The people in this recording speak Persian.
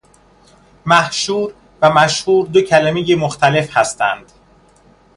محشور و مشهور دو کلمه مختلف هستند